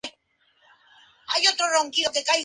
Augustine College de Chicago.